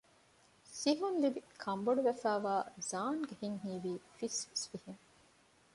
ސިހުންލިބި ކަންބޮޑުވެފައިވާ ޒާންގެ ހިތް ހީވީ ފިސްފިސްވިހެން